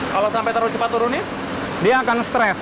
kalau sampai cepat turun dia akan stress